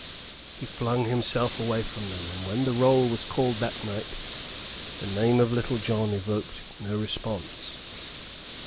He flung himself away from them, and when the roll was called that night, the name of Little John evoked no response.